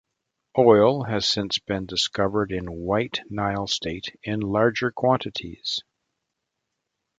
Oil has since been discovered in White Nile State in larger quantities.